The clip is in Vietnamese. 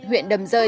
huyện đầm rơi